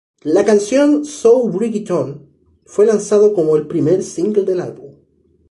La canción "So Bring It On" fue lanzado como el primer single del álbum.